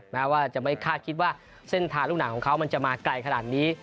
แม้ว่าจะไม่คาดคิดว่าเส้นทางลูกหนังของเขามันจะมาไกลขนาดนี้